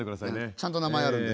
ちゃんと名前あるんで。